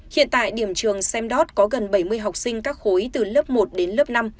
hiện tại điểm trường samdet có gần bảy mươi học sinh các khối từ lớp một đến lớp năm